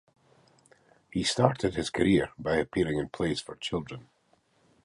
He started his career by appearing in plays for children.